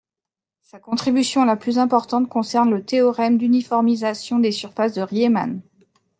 Sa contribution la plus importante concerne le théorème d'uniformisation des surfaces de Riemann.